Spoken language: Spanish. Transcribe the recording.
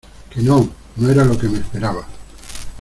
que no, no era lo que me esperaba.